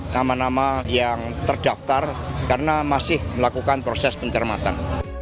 nama nama yang terdaftar karena masih melakukan proses pencermatan